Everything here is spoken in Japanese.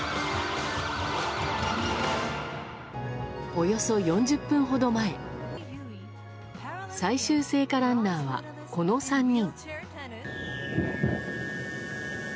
およそ４０分ほど前最終聖火ランナーはこの３人。